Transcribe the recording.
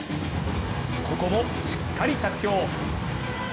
ここも、しっかり着氷。